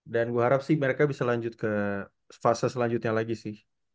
dan gue harap sih mereka bisa lanjut ke fase selanjutnya lagi sih